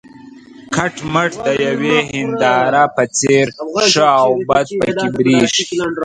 کټ مټ د یوې هینداره په څېر ښه او بد پکې برېښي.